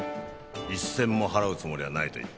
１銭も払うつもりはないと言ったら？